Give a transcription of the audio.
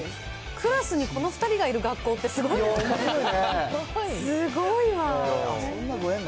クラスにこの２人がいる学校ってすごいですね。